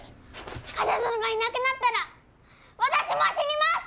冠者殿がいなくなったら私も死にます！